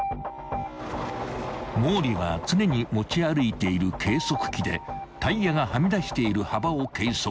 ［毛利は常に持ち歩いている計測器でタイヤがはみ出している幅を計測］